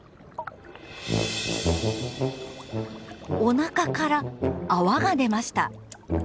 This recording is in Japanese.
おなかから泡が出ました。